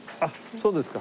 そうですか。